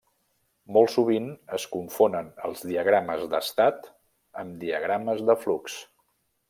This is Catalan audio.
Molt sovint es confonen els diagrames d'estat amb diagrames de flux.